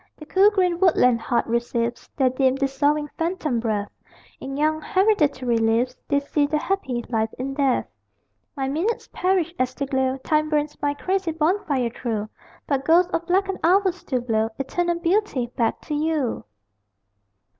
The cool green woodland heart receives Their dim, dissolving, phantom breath; In young hereditary leaves They see their happy life in death. My minutes perish as they glow Time burns my crazy bonfire through; But ghosts of blackened hours still blow, Eternal Beauty, back to you!